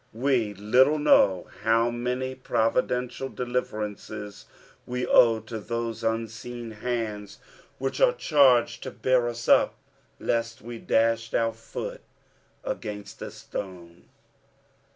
We little know how many providential deliverances we owe to those unseen hands which are charged to bear us up lest we dash our foot against a stone.